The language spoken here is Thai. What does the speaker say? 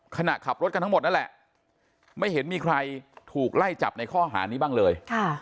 ขณะขับรถกันทั้งหมดนั่นแหละไม่เห็นมีใครถูกไล่จับในข้อหานี้บ้างเลย